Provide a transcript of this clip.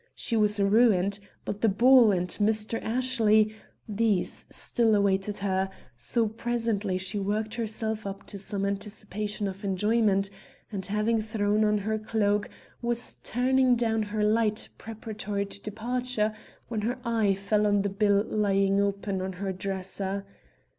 She was ruined; but the ball, and Mr. Ashley these still awaited her; so presently she worked herself up to some anticipation of enjoyment, and, having thrown on her cloak, was turning down her light preparatory to departure, when her eye fell on the bill lying open on her dresser.